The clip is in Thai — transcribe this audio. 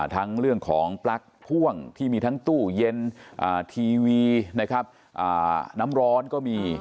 ทั้งเรื่องของปลั๊กพ่วงที่มีทั้งตู้เย็นทีวีนะครับน้ำร้อนก็มี